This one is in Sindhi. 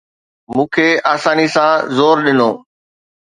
مون کي آساني سان زور ڏنو